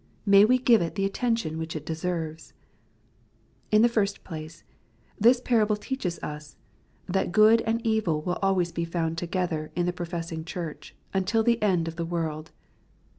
May we give it the attention which it deserves ! In the first place, tjiis parable teaches us, that good and evU will always be found together in the p^'o/essing Church, until the end of the world.